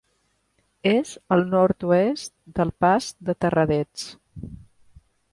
És al nord-oest del Pas de Terradets.